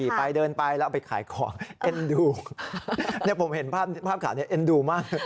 ไปเดินไปแล้วเอาไปขายของเอ็นดูเนี่ยผมเห็นภาพข่าวนี้เอ็นดูมาก